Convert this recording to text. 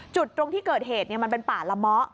จุดตรงที่เกิดเหตุเนี่ยมันเป็นป่าละม้อ